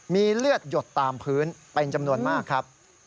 มีเลือดหยดตามพื้นเป็นจำนวนมากครับ